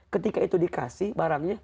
ketika itu dikasih barangnya